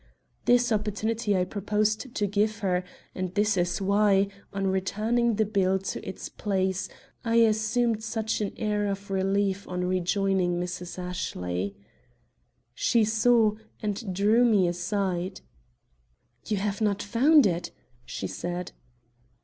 This opportunity I proposed to give her; and this is why, on returning the bill to its place, I assumed such an air of relief on rejoining Mrs. Ashley. She saw, and drew me aside. "You have not found it!" she said.